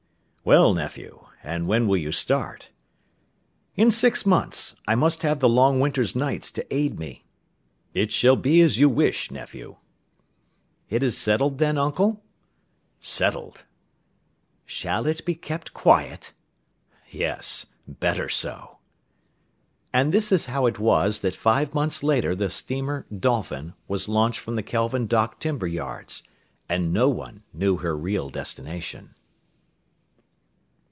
"Well, nephew, and when will you start?" "In six months; I must have the long winter nights to aid me." "It shall be as you wish, nephew." "It is settled, then, Uncle?" "Settled!" "Shall it be kept quiet?" "Yes; better so." And this is how it was that five months later the steamer Dolphin was launched from the Kelvin Dock timber yards, and no one knew her real destination.